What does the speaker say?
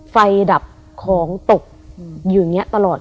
ดับของตกอยู่อย่างนี้ตลอด